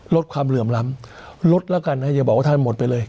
ลดความเหลื่อมล้ำลดแล้วกันนะอย่าบอกว่าท่านหมดไปเลย